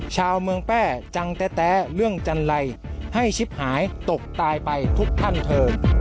ชาวเมืองแป้จังแต่แต๊เรื่องจันไรให้ชิบหายตกตายไปทุกท่านเทิง